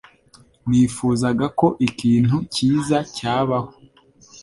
Nifuzaga ko ikintu cyiza cyabaho.